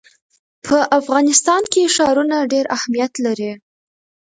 په افغانستان کې ښارونه ډېر اهمیت لري.